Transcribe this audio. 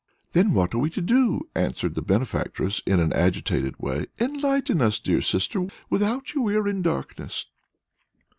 "Then what are we to do?" answered the "benefactress" in an agitated way. "Enlighten us, dear Sister; without you we are in darkness."